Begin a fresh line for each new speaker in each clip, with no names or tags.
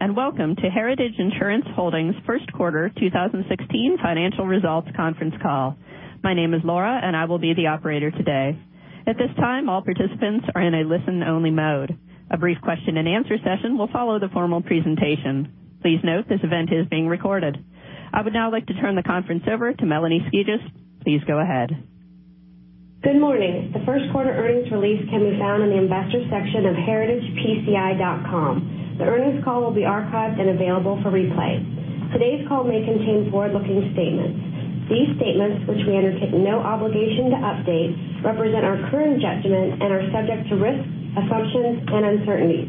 Good morning, welcome to Heritage Insurance Holdings' first quarter 2016 financial results conference call. My name is Laura, and I will be the operator today. At this time, all participants are in a listen-only mode. A brief question and answer session will follow the formal presentation. Please note this event is being recorded. I would now like to turn the conference over to Melanie Skijus. Please go ahead.
Good morning. The first quarter earnings release can be found in the Investors section of heritagepci.com. The earnings call will be archived and available for replay. Today's call may contain forward-looking statements. These statements, which we undertake no obligation to update, represent our current judgment and are subject to risks, assumptions, and uncertainties.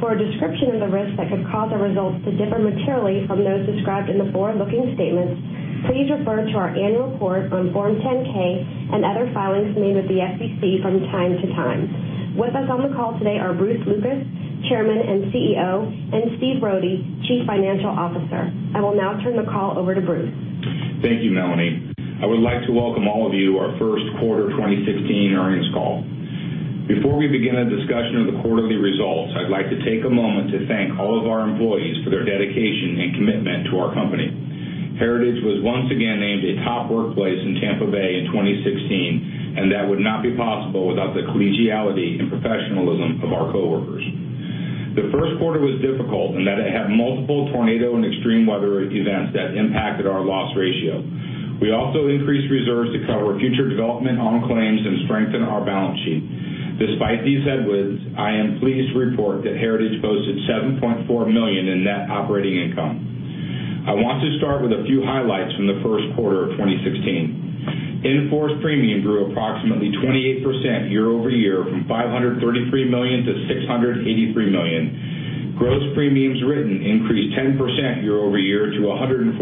For a description of the risks that could cause our results to differ materially from those described in the forward-looking statements, please refer to our annual report on Form 10-K and other filings made with the SEC from time to time. With us on the call today are Bruce Lucas, Chairman and CEO, and Stephen Rohde, Chief Financial Officer. I will now turn the call over to Bruce.
Thank you, Melanie. I would like to welcome all of you to our first quarter 2016 earnings call. Before we begin a discussion of the quarterly results, I'd like to take a moment to thank all of our employees for their dedication and commitment to our company. Heritage was once again named a top workplace in Tampa Bay in 2016, and that would not be possible without the collegiality and professionalism of our coworkers. The first quarter was difficult in that it had multiple tornado and extreme weather events that impacted our loss ratio. We also increased reserves to cover future development on claims and strengthen our balance sheet. Despite these headwinds, I am pleased to report that Heritage posted $7.4 million in net operating income. I want to start with a few highlights from the first quarter of 2016. In-force premium grew approximately 28% year-over-year from $533 million to $683 million. Gross premiums written increased 10% year-over-year to $147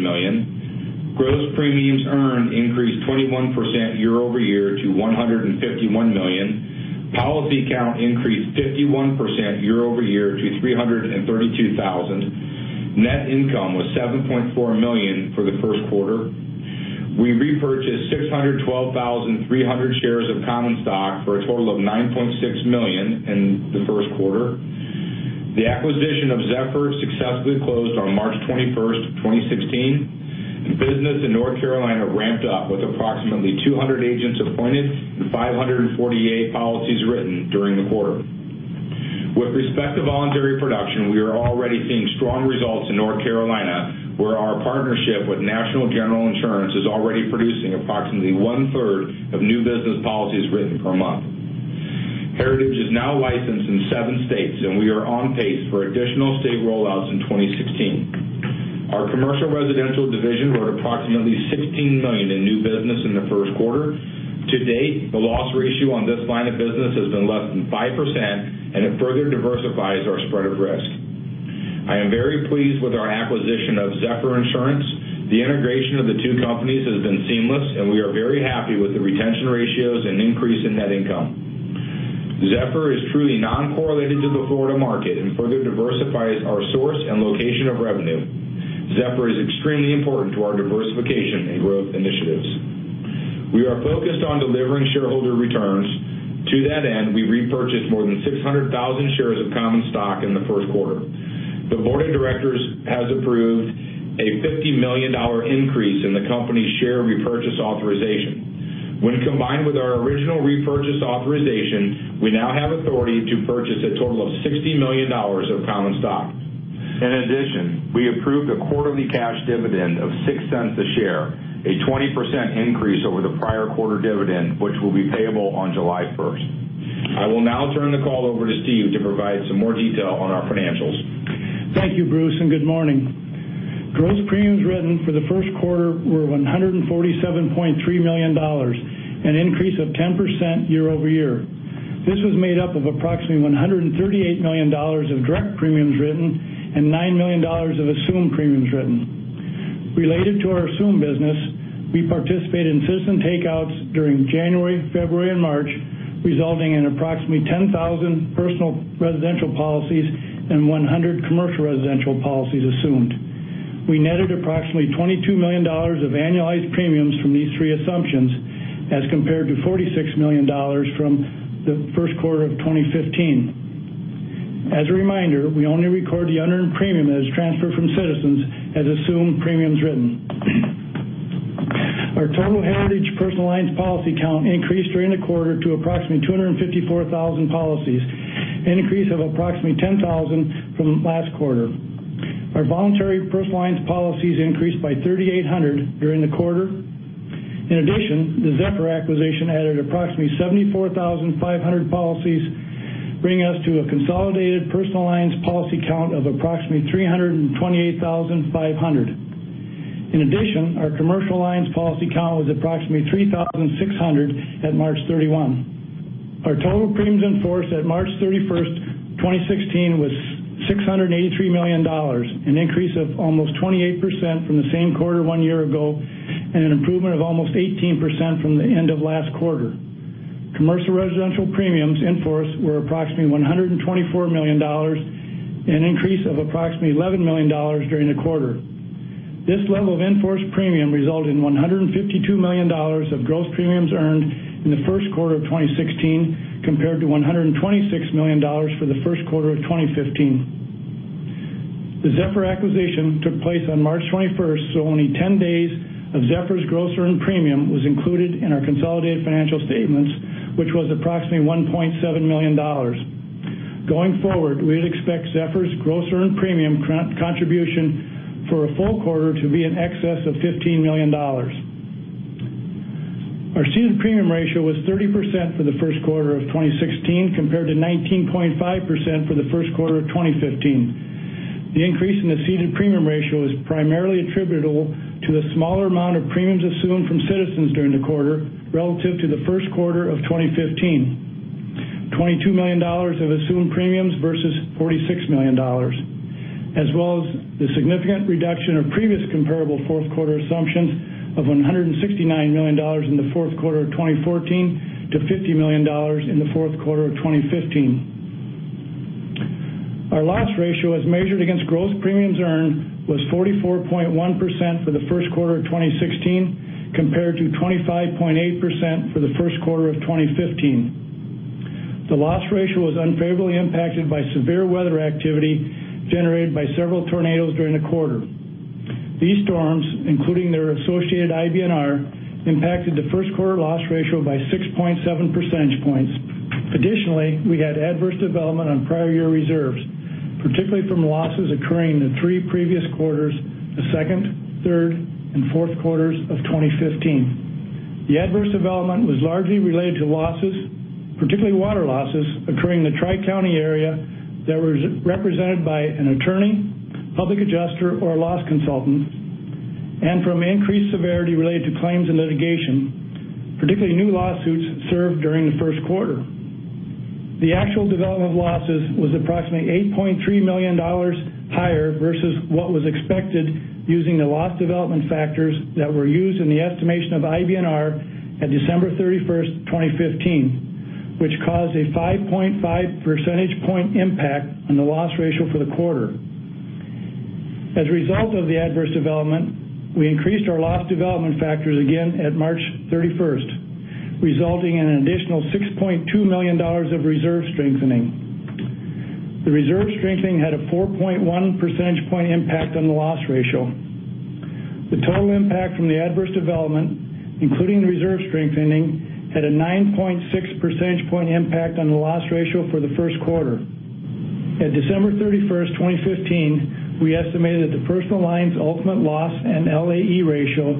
million. Gross premiums earned increased 21% year-over-year to $151 million. Policy count increased 51% year-over-year to 332,000. Net income was $7.4 million for the first quarter. We repurchased 612,300 shares of common stock for a total of $9.6 million in the first quarter. The acquisition of Zephyr successfully closed on March 21st, 2016, business in North Carolina ramped up with approximately 200 agents appointed and 548 policies written during the quarter. With respect to voluntary production, we are already seeing strong results in North Carolina, where our partnership with National General Insurance is already producing approximately one-third of new business policies written per month. Heritage is now licensed in seven states, we are on pace for additional state rollouts in 2016. Our commercial residential division wrote approximately $16 million in new business in the first quarter. To date, the loss ratio on this line of business has been less than 5%, and it further diversifies our spread of risk. I am very pleased with our acquisition of Zephyr Insurance. The integration of the two companies has been seamless, and we are very happy with the retention ratios and increase in net income. Zephyr is truly non-correlated to the Florida market and further diversifies our source and location of revenue. Zephyr is extremely important to our diversification and growth initiatives. We are focused on delivering shareholder returns. To that end, we repurchased more than 600,000 shares of common stock in the first quarter. The board of directors has approved a $50 million increase in the company's share repurchase authorization. When combined with our original repurchase authorization, we now have authority to purchase a total of $60 million of common stock. In addition, we approved a quarterly cash dividend of $0.06 a share, a 20% increase over the prior quarter dividend, which will be payable on July 1st. I will now turn the call over to Steve to provide some more detail on our financials.
Thank you, Bruce, and good morning. Gross premiums written for the first quarter were $147.3 million, an increase of 10% year-over-year. This was made up of approximately $138 million of direct premiums written and $9 million of assumed premiums written. Related to our assumed business, we participated in Citizens takeouts during January, February, and March, resulting in approximately 10,000 personal residential policies and 100 commercial residential policies assumed. We netted approximately $22 million of annualized premiums from these three assumptions as compared to $46 million from the first quarter of 2015. As a reminder, we only record the unearned premium that is transferred from Citizens as assumed premiums written. Our total Heritage personal lines policy count increased during the quarter to approximately 254,000 policies, an increase of approximately 10,000 from last quarter. Our voluntary personal lines policies increased by 3,800 during the quarter. In addition, the Zephyr acquisition added approximately 74,500 policies, bringing us to a consolidated personal lines policy count of approximately 328,500. In addition, our commercial lines policy count was approximately 3,600 at March 31. Our total premiums in force at March 31st, 2016, was $683 million, an increase of almost 28% from the same quarter one year ago and an improvement of almost 18% from the end of last quarter. Commercial residential premiums in force were approximately $124 million, an increase of approximately $11 million during the quarter. This level of in-force premium resulted in $152 million of gross premiums earned in the first quarter of 2016, compared to $126 million for the first quarter of 2015. The Zephyr acquisition took place on March 21st, so only 10 days of Zephyr's gross earned premium was included in our consolidated financial statements, which was approximately $1.7 million. Going forward, we'd expect Zephyr's gross earned premium contribution for a full quarter to be in excess of $15 million. Our ceded premium ratio was 30% for the first quarter of 2016, compared to 19.5% for the first quarter of 2015. The increase in the ceded premium ratio is primarily attributable to the smaller amount of premiums assumed from Citizens during the quarter relative to the first quarter of 2015. $22 million of assumed premiums versus $46 million, as well as the significant reduction of previous comparable fourth quarter assumptions of $169 million in the fourth quarter of 2014 to $50 million in the fourth quarter of 2015. Our loss ratio as measured against gross premiums earned was 44.1% for the first quarter of 2016, compared to 25.8% for the first quarter of 2015. The loss ratio was unfavorably impacted by severe weather activity generated by several tornadoes during the quarter. These storms, including their associated IBNR, impacted the first quarter loss ratio by 6.7 percentage points. Additionally, we had adverse development on prior year reserves, particularly from losses occurring in the three previous quarters, the second, third, and fourth quarters of 2015. The adverse development was largely related to losses, particularly water losses, occurring in the Tri-County area that was represented by an attorney, public adjuster, or a loss consultant, and from increased severity related to claims and litigation, particularly new lawsuits served during the first quarter. The actual development of losses was approximately $8.3 million higher versus what was expected using the loss development factors that were used in the estimation of IBNR at December 31st, 2015, which caused a 5.5 percentage point impact on the loss ratio for the quarter. As a result of the adverse development, we increased our loss development factors again at March 31st, resulting in an additional $6.2 million of reserve strengthening. The reserve strengthening had a 4.1 percentage point impact on the loss ratio. The total impact from the adverse development, including the reserve strengthening, had a 9.6 percentage point impact on the loss ratio for the first quarter. At December 31st, 2015, we estimated that the personal lines ultimate loss and LAE ratio,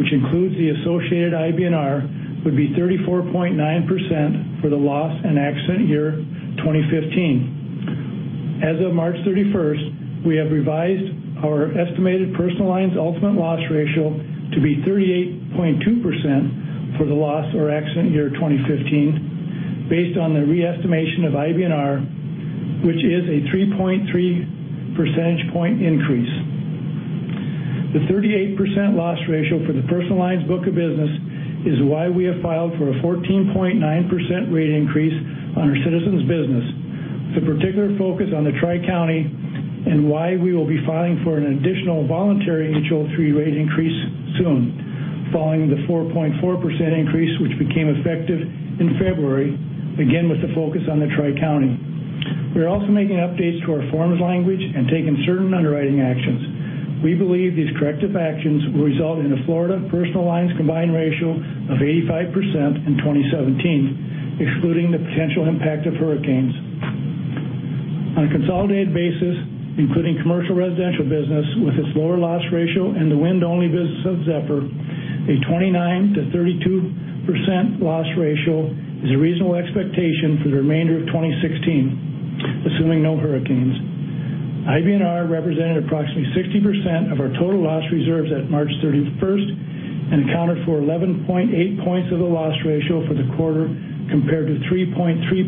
which includes the associated IBNR, would be 34.9% for the loss and accident year 2015. As of March 31st, we have revised our estimated personal lines ultimate loss ratio to be 38.2% for the loss or accident year 2015, based on the re-estimation of IBNR, which is a 3.3 percentage point increase. The 38% loss ratio for the personal lines book of business is why we have filed for a 14.9% rate increase on our Citizens business with a particular focus on the Tri-County, and why we will be filing for an additional voluntary HO-3 rate increase soon, following the 4.4% increase, which became effective in February, again, with the focus on the Tri-County. We are also making updates to our forms language and taking certain underwriting actions. We believe these corrective actions will result in a Florida personal lines combined ratio of 85% in 2017, excluding the potential impact of hurricanes. On a consolidated basis, including commercial residential business with its lower loss ratio and the wind-only business of Zephyr, a 29%-32% loss ratio is a reasonable expectation for the remainder of 2016, assuming no hurricanes. IBNR represented approximately 60% of our total loss reserves at March 31st and accounted for 11.8 points of the loss ratio for the quarter, compared to 3.3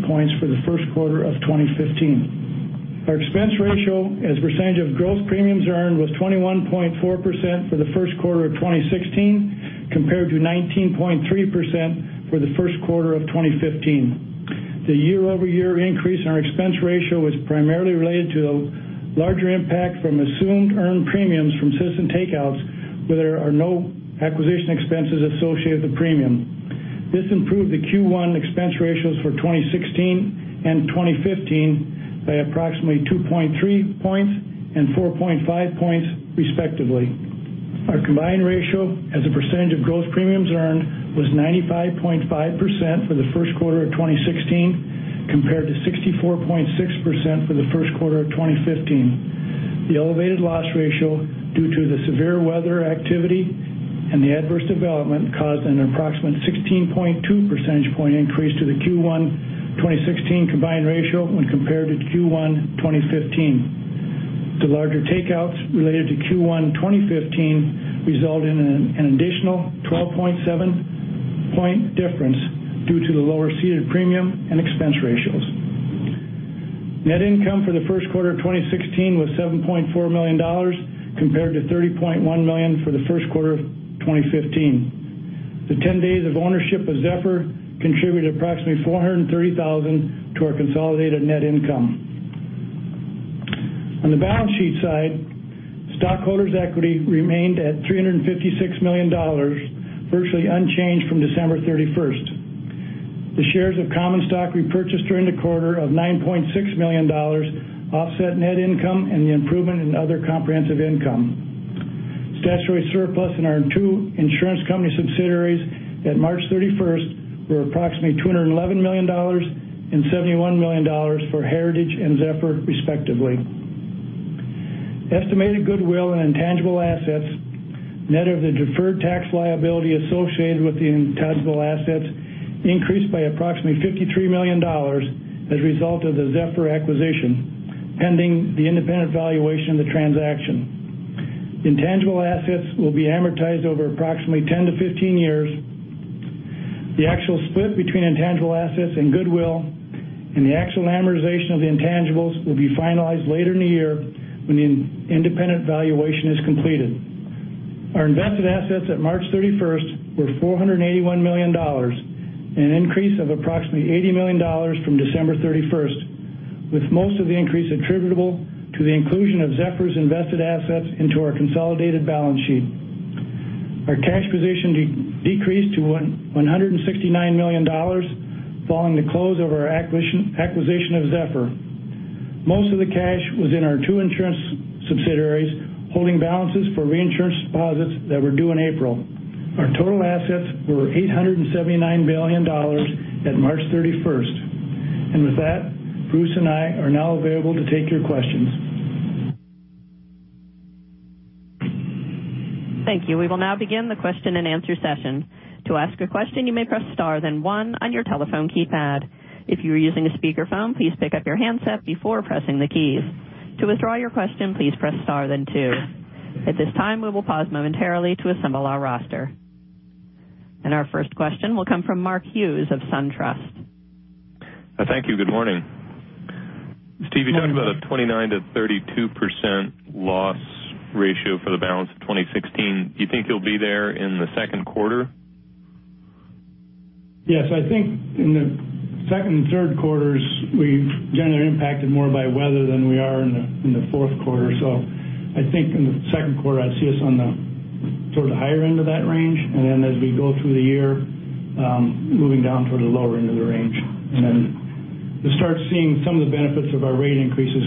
points for the first quarter of 2015. Our expense ratio as a percentage of gross premiums earned was 21.4% for the first quarter of 2016, compared to 19.3% for the first quarter of 2015. The year-over-year increase in our expense ratio was primarily related to a larger impact from assumed earned premiums from Citizens takeouts, where there are no acquisition expenses associated with the premium. This improved the Q1 expense ratios for 2016 and 2015 by approximately 2.3 points and 4.5 points, respectively. Our combined ratio as a percentage of gross premiums earned was 95.5% for the first quarter of 2016, compared to 64.6% for the first quarter of 2015. The elevated loss ratio due to the severe weather activity and the adverse development caused an approximate 16.2 percentage point increase to the Q1 2016 combined ratio when compared to Q1 2015. The larger takeouts related to Q1 2015 result in an additional 12.7 point difference due to the lower ceded premium and expense ratios. Net income for the first quarter of 2016 was $7.4 million compared to $30.1 million for the first quarter of 2015. The 10 days of ownership of Zephyr contributed approximately $430,000 to our consolidated net income. On the balance sheet side, stockholders' equity remained at $356 million, virtually unchanged from December 31st. The shares of common stock repurchased during the quarter of $9.6 million offset net income and the improvement in other comprehensive income. Statutory surplus in our two insurance company subsidiaries at March 31st were approximately $211 million and $71 million for Heritage and Zephyr, respectively. Estimated goodwill and intangible assets, net of the deferred tax liability associated with the intangible assets, increased by approximately $53 million as a result of the Zephyr acquisition, pending the independent valuation of the transaction. Intangible assets will be amortized over approximately 10 to 15 years. The actual split between intangible assets and goodwill and the actual amortization of the intangibles will be finalized later in the year when the independent valuation is completed. Our invested assets at March 31st were $481 million, an increase of approximately $80 million from December 31st, with most of the increase attributable to the inclusion of Zephyr's invested assets into our consolidated balance sheet. Our cash position decreased to $169 million following the close of our acquisition of Zephyr. Most of the cash was in our two insurance subsidiaries, holding balances for reinsurance deposits that were due in April. Our total assets were $879 billion at March 31st. With that, Bruce and I are now available to take your questions.
Thank you. We will now begin the question and answer session. To ask a question, you may press star then one on your telephone keypad. If you are using a speakerphone, please pick up your handset before pressing the keys. To withdraw your question, please press star then two. At this time, we will pause momentarily to assemble our roster. Our first question will come from Mark Hughes of SunTrust.
Thank you. Good morning. Steve, you talked about a 29%-32% loss ratio for the balance of 2016. Do you think you'll be there in the second quarter?
Yes, I think in the second and third quarters, we're generally impacted more by weather than we are in the fourth quarter. I think in the second quarter, I'd see us on the toward the higher end of that range. As we go through the year, moving down toward the lower end of the range. You'll start seeing some of the benefits of our rate increases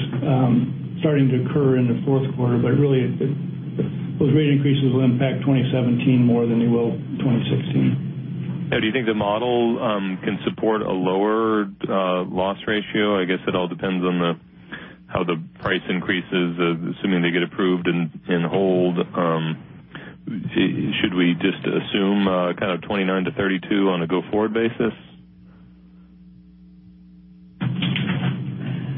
starting to occur in the fourth quarter, but really, those rate increases will impact 2017 more than they will 2016.
Do you think the model can support a lower loss ratio? I guess it all depends on how the price increases, assuming they get approved and hold. Should we just assume kind of 29%-32% on a go-forward basis?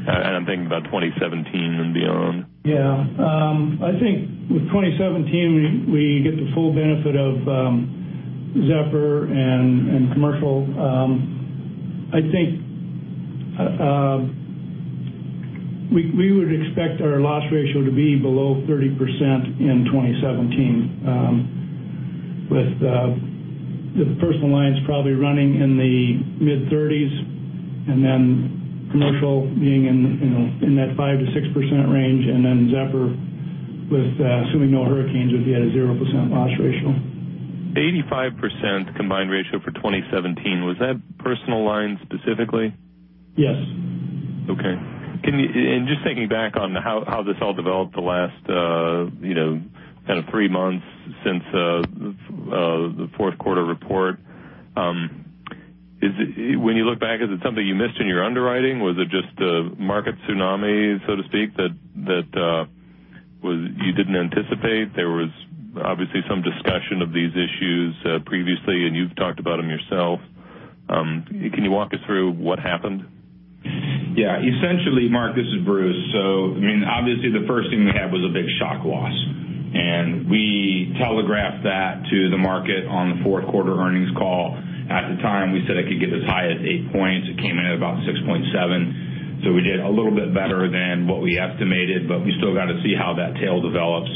I'm thinking about 2017 and beyond.
Yeah. I think with 2017, we get the full benefit of Zephyr and commercial. I think we would expect our loss ratio to be below 30% in 2017, with the personal lines probably running in the mid-30s and then commercial being in that 5%-6% range, and then Zephyr with assuming no hurricanes would be at a 0% loss ratio.
85% combined ratio for 2017. Was that personal line specifically?
Yes.
Okay. Just thinking back on how this all developed the last kind of three months since the fourth quarter report, when you look back, is it something you missed in your underwriting? Was it just a market tsunami, so to speak, that you didn't anticipate? There was obviously some discussion of these issues previously, and you've talked about them yourself. Can you walk us through what happened?
Yeah. Essentially, Mark, this is Bruce. Obviously, the first thing we had was a big shock loss, and we telegraphed that to the market on the fourth quarter earnings call. At the time, we said it could get as high as eight points. It came in at about 6.7. We did a little bit better than what we estimated, but we still got to see how that tail develops.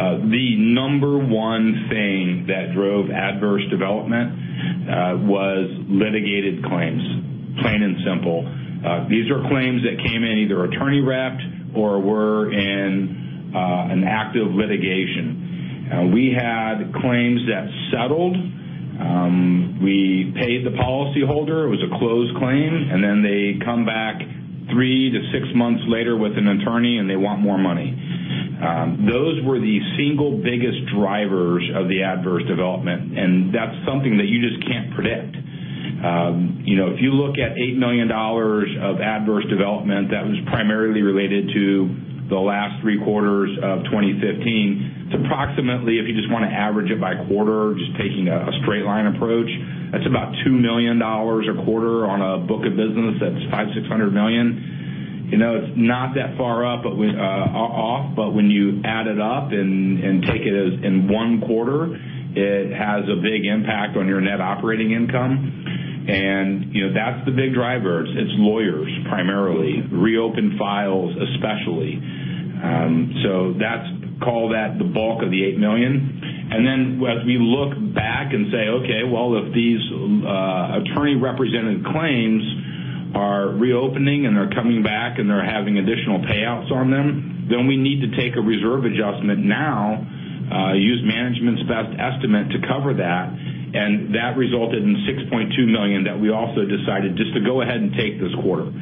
The number one thing that drove adverse development was litigated claims, plain and simple. These are claims that came in either attorney-repped or were in an active litigation. We had claims that settled. We paid the policyholder. It was a closed claim, and then they come back three to six months later with an attorney, and they want more money. Those were the single biggest drivers of the adverse development, and that's something that you just can't predict. If you look at $8 million of adverse development, that was primarily related to the last three quarters of 2015. It's approximately, if you just want to average it by quarter, just taking a straight line approach, that's about $2 million a quarter on a book of business that's $500 million, $600 million. When you add it up and take it as in one quarter, it has a big impact on your net operating income. That's the big driver. It's lawyers primarily, reopened files especially. Call that the bulk of the $8 million. As we look back and say, okay, well, if these attorney-represented claims are reopening and are coming back and are having additional payouts on them, then we need to take a reserve adjustment now, use management's best estimate to cover that, and that resulted in $6.2 million that we also decided just to go ahead and take this quarter.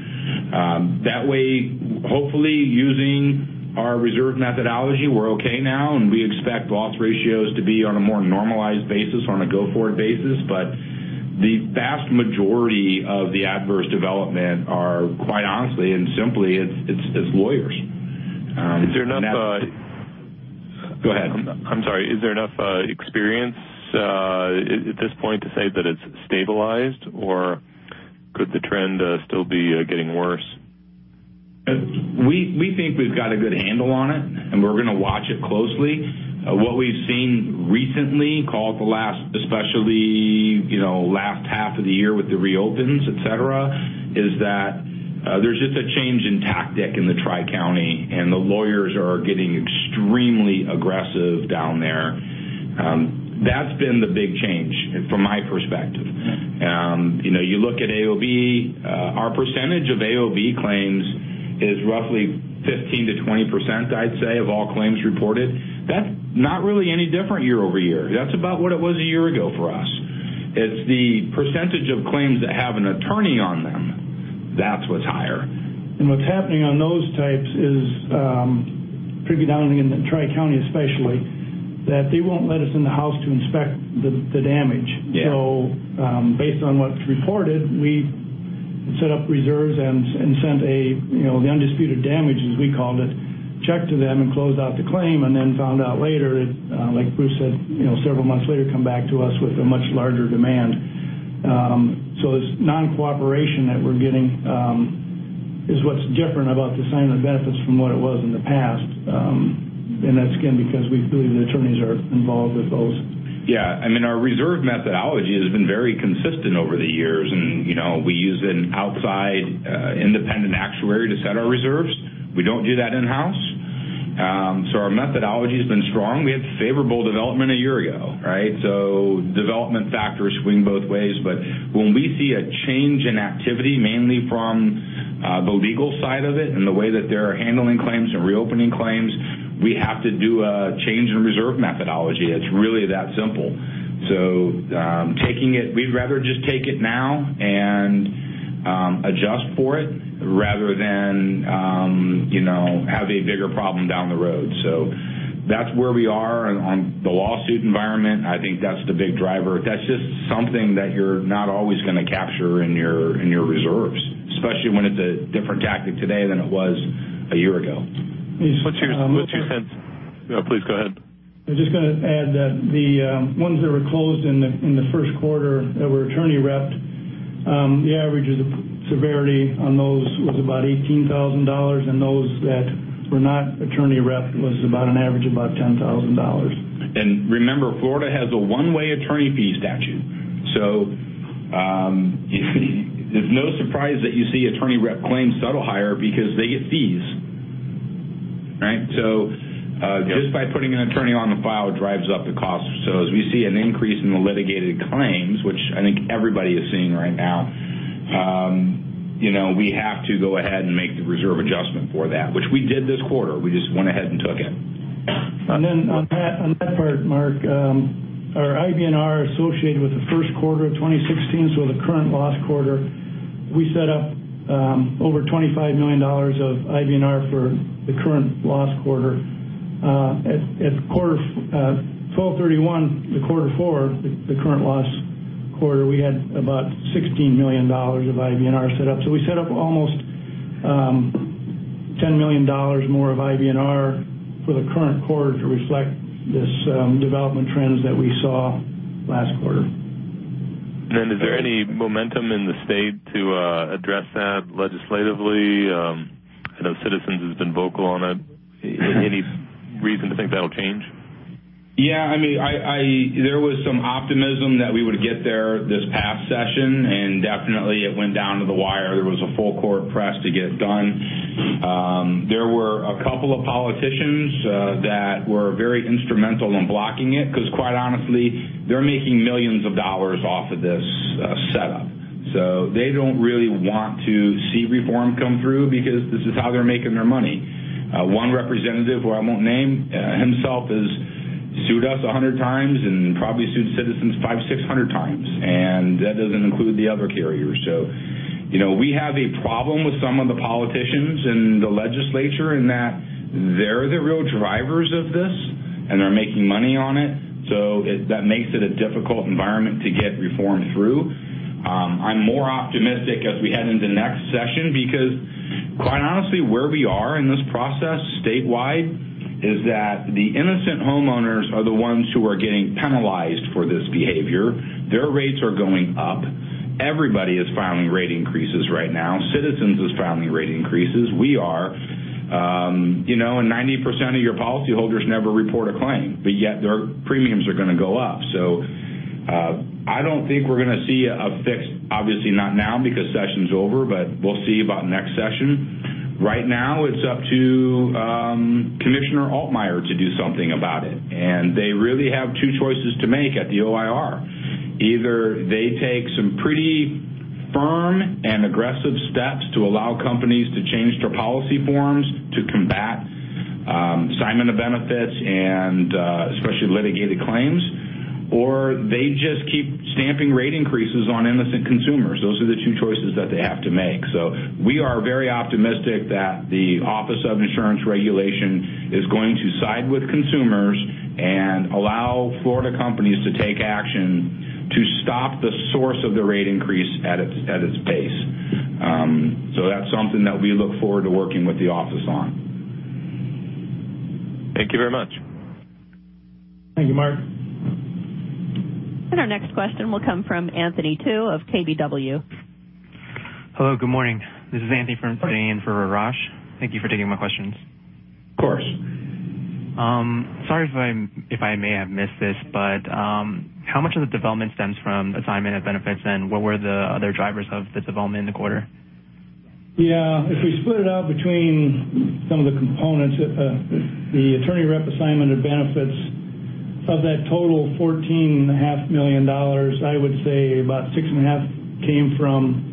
That way, hopefully, using our reserve methodology, we're okay now, and we expect loss ratios to be on a more normalized basis on a go-forward basis. The vast majority of the adverse development are, quite honestly and simply, it's lawyers.
Is there enough-
Go ahead.
I'm sorry. Is there enough experience at this point to say that it's stabilized, or could the trend still be getting worse?
We think we've got a good handle on it. We're going to watch it closely. What we've seen recently, call it especially the last half of the year with the reopens, et cetera, is that there's just a change in tactic in the Tri-County. The lawyers are getting extremely aggressive down there. That's been the big change from my perspective. You look at AOB. Our percentage of AOB claims is roughly 15%-20%, I'd say, of all claims reported. That's not really any different year-over-year. That's about what it was a year ago for us. It's the percentage of claims that have an attorney on them. That's what's higher.
What's happening on those types is, particularly down in the Tri-County especially, that they won't let us in the house to inspect the damage.
Yeah.
Based on what's reported, we set up reserves and sent the undisputed damage, as we called it, check to them and closed out the claim. Then found out later, like Bruce said, several months later, come back to us with a much larger demand. This non-cooperation that we're getting is what's different about the assignment of benefits from what it was in the past. That's again, because we believe the attorneys are involved with those.
Yeah. Our reserve methodology has been very consistent over the years, We use an outside, independent actuary to set our reserves. We don't do that in-house. Our methodology has been strong. We had favorable development a year ago. Development factors swing both ways, but when we see a change in activity, mainly from the legal side of it and the way that they're handling claims and reopening claims, we have to do a change in reserve methodology. It's really that simple. We'd rather just take it now and adjust for it rather than have a bigger problem down the road. That's where we are on the lawsuit environment. I think that's the big driver. That's just something that you're not always going to capture in your reserves, especially when it's a different tactic today than it was a year ago.
What's your sense? Please go ahead.
I'm just going to add that the ones that were closed in the first quarter that were attorney rep'd, the average of the severity on those was about $18,000, and those that were not attorney rep' was about an average of about $10,000.
Remember, Florida has a one-way attorney fee statute. There's no surprise that you see attorney rep'd claims settle higher because they get fees. Just by putting an attorney on the file, it drives up the cost. As we see an increase in the litigated claims, which I think everybody is seeing right now, we have to go ahead and make the reserve adjustment for that, which we did this quarter. We just went ahead and took it.
Mark, our IBNR associated with the first quarter of 2016, so the current loss quarter, we set up over $25 million of IBNR for the current loss quarter. At December 31, the quarter four, the current loss quarter, we had about $16 million of IBNR set up. We set up almost $10 million more of IBNR for the current quarter to reflect this development trends that we saw last quarter.
Is there any momentum in the state to address that legislatively? I know Citizens has been vocal on it. Any reason to think that'll change?
Yeah. There was some optimism that we would get there this past session, and definitely it went down to the wire. There was a full-court press to get it done. There were a couple of politicians that were very instrumental in blocking it because quite honestly, they're making millions of dollars off of this setup. They don't really want to see reform come through because this is how they're making their money. One representative, who I won't name, himself has sued us 100 times and probably sued Citizens 500, 600 times, and that doesn't include the other carriers. We have a problem with some of the politicians in the legislature in that they're the real drivers of this, and they're making money on it. That makes it a difficult environment to get reform through. I'm more optimistic as we head into next session because, quite honestly, where we are in this process statewide is that the innocent homeowners are the ones who are getting penalized for this behavior. Their rates are going up. Everybody is filing rate increases right now. Citizens is filing rate increases. We are. 90% of your policyholders never report a claim, but yet their premiums are going to go up. I don't think we're going to see a fix, obviously not now because session's over, but we'll see about next session. Right now it's up to Commissioner Altmaier to do something about it, and they really have two choices to make at the OIR. Either they take some pretty firm and aggressive steps to allow companies to change their policy forms to combat assignment of benefits, and especially litigated claims, or they just keep stamping rate increases on innocent consumers. Those are the two choices that they have to make. We are very optimistic that the Office of Insurance Regulation is going to side with consumers and allow Florida companies to take action to stop the source of the rate increase at its base. That's something that we look forward to working with the office on.
Thank you very much.
Thank you, Mark.
Our next question will come from Anthony Tu of KBW.
Hello, good morning. This is Anthony from for Roya. Thank you for taking my questions.
Of course.
Sorry if I may have missed this, how much of the development stems from assignment of benefits, and what were the other drivers of this development in the quarter?
Yeah. If we split it out between some of the components, the attorney rep assignment of benefits, of that total $14.5 million, I would say about six and a half came from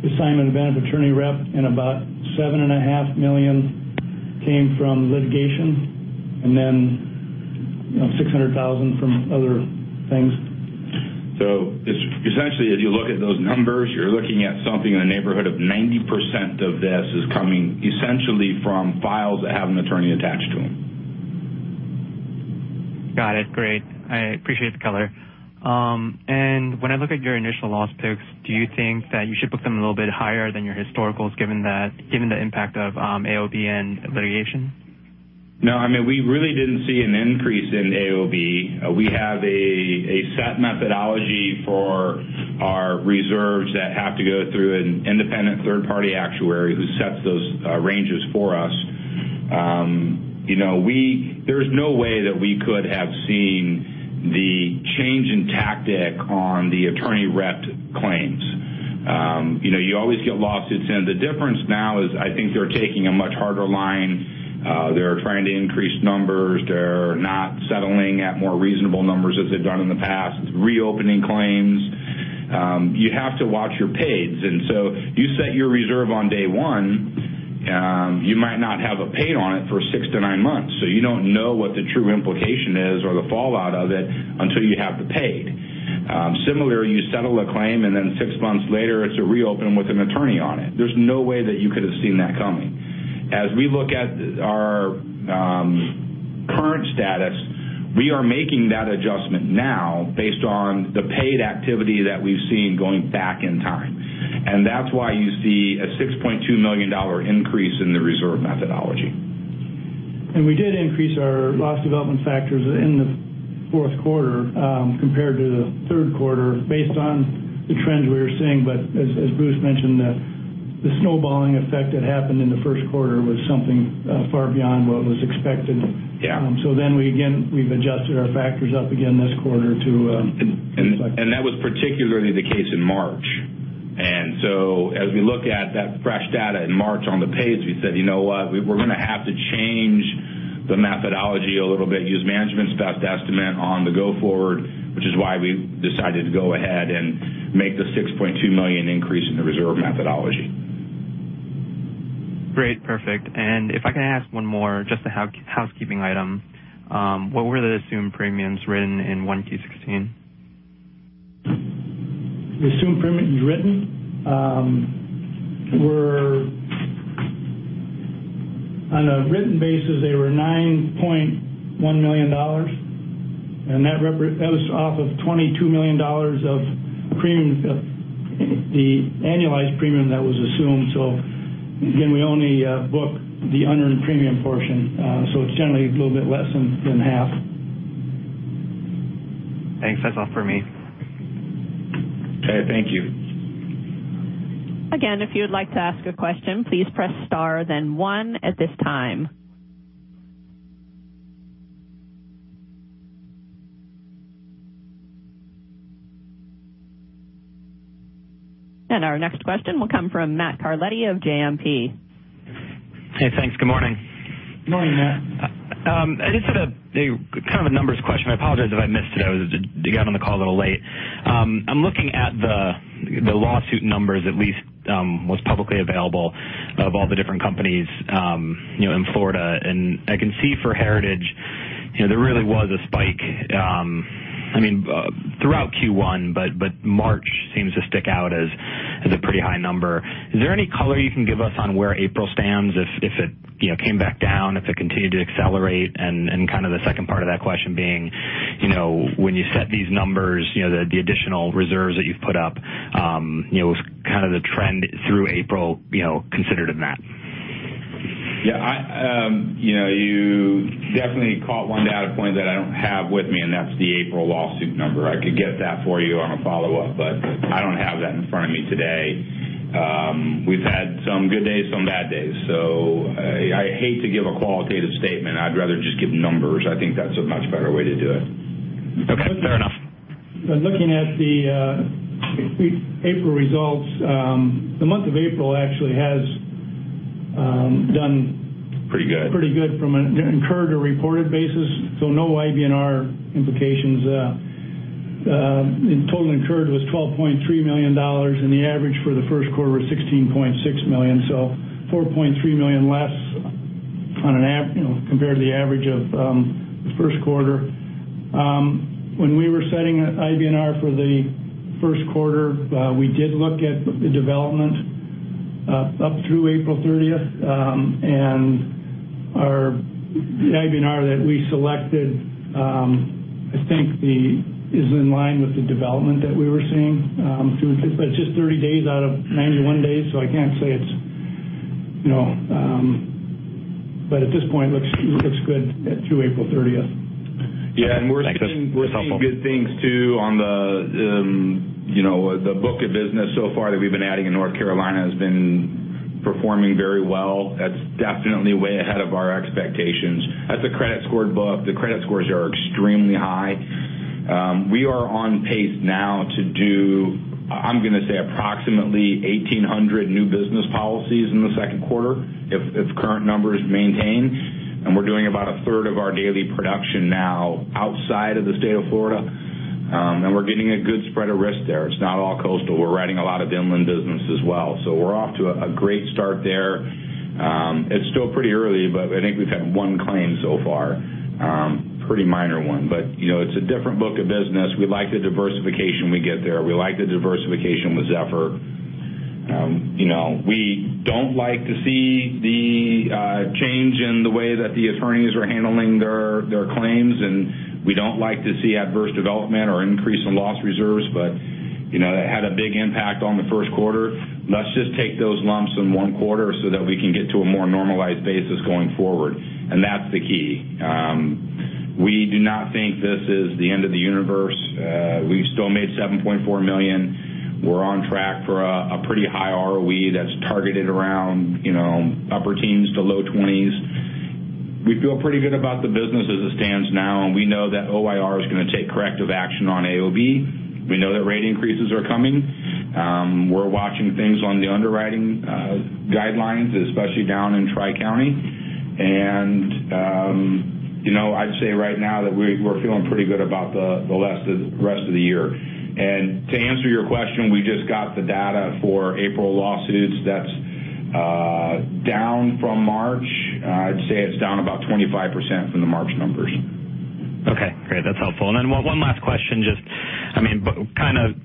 assignment of benefits attorney rep, about $7.5 million came from litigation, then $600,000 from other things.
Essentially, as you look at those numbers, you're looking at something in the neighborhood of 90% of this is coming essentially from files that have an attorney attached to them.
Got it. Great. I appreciate the color. When I look at your initial loss picks, do you think that you should book them a little bit higher than your historicals given the impact of AOB and litigation?
No, we really didn't see an increase in AOB. We have a set methodology for our reserves that have to go through an independent third party actuary who sets those ranges for us. There's no way that we could have seen the change in tactic on the attorney rep claims. You always get lawsuits in. The difference now is I think they're taking a much harder line. They're trying to increase numbers. They're not settling at more reasonable numbers as they've done in the past, reopening claims. You have to watch your paids. You set your reserve on day one, you might not have a paid on it for six to nine months. You don't know what the true implication is or the fallout of it until you have the paid. Similarly, you settle a claim and then six months later, it's a reopen with an attorney on it. There's no way that you could have seen that coming. As we look at our current status, we are making that adjustment now based on the paid activity that we've seen going back in time. That's why you see a $6.2 million increase in the reserve methodology.
We did increase our loss development factors in the fourth quarter, compared to the third quarter based on the trends we were seeing. As Bruce mentioned, the snowballing effect that happened in the first quarter was something far beyond what was expected.
Yeah.
We've adjusted our factors up again this quarter to-
That was particularly the case in March. As we look at that fresh data in March on the pays, we said, "You know what? We're going to have to change the methodology a little bit, use management's best estimate on the go forward," which is why we decided to go ahead and make the $6.2 million increase in the reserve methodology.
Great. Perfect. If I can ask one more just a housekeeping item. What were the assumed premiums written in 1Q16?
The assumed premiums written were on a written basis, they were $9.1 million. That was off of $22 million of the annualized premium that was assumed. Again, we only book the unearned premium portion. It's generally a little bit less than half.
Thanks. That's all for me.
Okay. Thank you.
Again, if you would like to ask a question, please press star then one at this time. Our next question will come from Matt Carletti of JMP.
Hey, thanks. Good morning.
Good morning, Matt.
I just had a kind of a numbers question. I apologize if I missed it. I got on the call a little late. I'm looking at the lawsuit numbers, at least, what's publicly available of all the different companies in Florida. I can see for Heritage, there really was a spike, throughout Q1, but March seems to stick out as a pretty high number. Is there any color you can give us on where April stands if it came back down, if it continued to accelerate? Kind of the second part of that question being when you set these numbers, the additional reserves that you've put up was kind of the trend through April considered in that?
You definitely caught one data point that I don't have with me, and that's the April lawsuit number. I could get that for you on a follow-up, but I don't have that in front of me today. We've had some good days, some bad days, so I hate to give a qualitative statement. I'd rather just give numbers. I think that's a much better way to do it.
Okay. Fair enough.
Looking at the April results, the month of April actually has done.
Pretty good
Pretty good from an incurred to reported basis. No IBNR implications. Total incurred was $12.3 million. The average for the first quarter was $16.6 million. $4.3 million less compared to the average of the first quarter. When we were setting IBNR for the first quarter, we did look at the development up through April 30th. The IBNR that we selected, I think is in line with the development that we were seeing. It's just 30 days out of 91 days. At this point, looks good through April 30th.
Yeah.
Thanks, this was helpful.
We're seeing good things, too, on the book of business so far that we've been adding in North Carolina has been performing very well. That's definitely way ahead of our expectations. That's a credit scored book. The credit scores are extremely high. We are on pace now to do, I'm going to say approximately 1,800 new business policies in the second quarter if current numbers maintain. We're doing about a third of our daily production now outside of the state of Florida. We're getting a good spread of risk there. It's not all coastal. We're writing a lot of inland business as well. We're off to a great start there. It's still pretty early, but I think we've had one claim so far. Pretty minor one. It's a different book of business. We like the diversification we get there. We like the diversification with Zephyr. We don't like to see the change in the way that the attorneys are handling their claims, and we don't like to see adverse development or increase in loss reserves, but that had a big impact on the first quarter. Let's just take those lumps in one quarter so that we can get to a more normalized basis going forward. That's the key. We do not think this is the end of the universe. We've still made $7.4 million. We're on track for a pretty high ROE that's targeted around upper teens to low 20s. We feel pretty good about the business as it stands now, and we know that OIR is going to take corrective action on AOB. We know that rate increases are coming. We're watching things on the underwriting guidelines, especially down in Tri-County. I'd say right now that we're feeling pretty good about the rest of the year. To answer your question, we just got the data for April lawsuits. That's down from March. I'd say it's down about 25% from the March numbers.
Okay. Great. That's helpful. Then one last question, just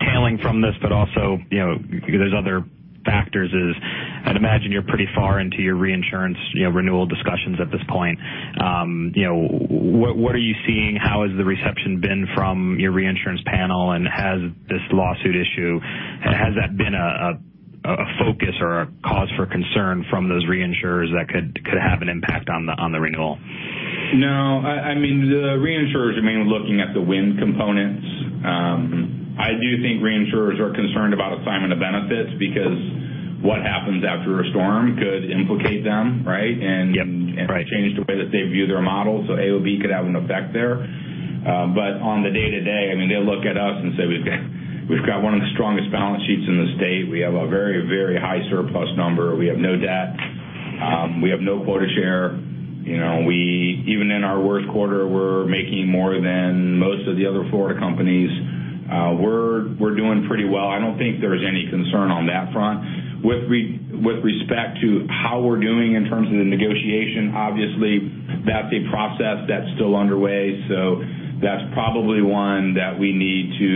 tailing from this, but also, there's other factors is I'd imagine you're pretty far into your reinsurance renewal discussions at this point. What are you seeing? How has the reception been from your reinsurance panel? Has this lawsuit issue, has that been a focus or a cause for concern from those reinsurers that could have an an impact on the renewal?
No. The reinsurers are mainly looking at the wind components. I do think reinsurers are concerned about assignment of benefits because what happens after a storm could implicate them, right?
Yep. Right.
Change the way that they view their model. AOB could have an effect there. On the day-to-day, they look at us and say we've got one of the strongest balance sheets in the state. We have a very, very high surplus number. We have no debt. We have no quota share. Even in our worst quarter, we're making more than most of the other Florida companies. We're doing pretty well. I don't think there's any concern on that front. With respect to how we're doing in terms of the negotiation, obviously, that's a process that's still underway. That's probably one that we need to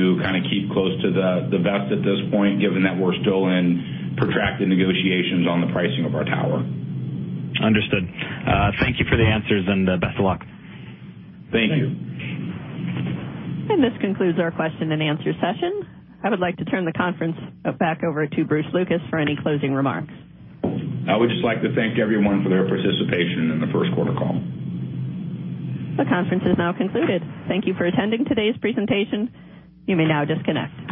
keep close to the vest at this point, given that we're still in protracted negotiations on the pricing of our tower.
Understood. Thank you for the answers and best of luck.
Thank you.
Thank you.
This concludes our question and answer session. I would like to turn the conference back over to Bruce Lucas for any closing remarks.
I would just like to thank everyone for their participation in the first quarter call.
The conference is now concluded. Thank you for attending today's presentation. You may now disconnect.